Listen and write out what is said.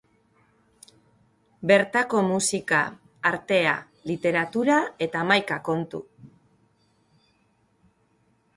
Bertako musika, artea, literatura eta hamaika kontu.